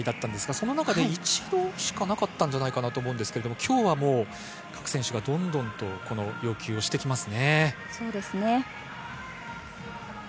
その中で１度しかなかったのではないかと思うのですが、今日は各選手がどんどん要求してきますね。